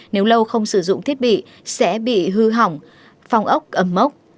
nếu lâu không sử dụng thiết bị sẽ bị hư hỏng phòng ốc ẩm mốc